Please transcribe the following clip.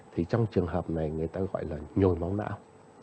thì trong trường hợp này người ta gọi là nhồi máu não